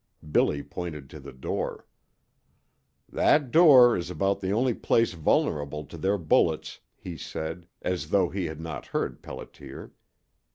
Billy pointed to the door. "That door is about the only place vulnerable to their bullets," he said, as though he had not heard Pelliter.